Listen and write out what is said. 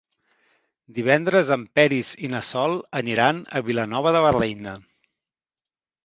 Divendres en Peris i na Sol aniran a Vilanova de la Reina.